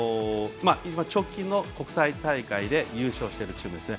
直近の国際大会で優勝しているチームですね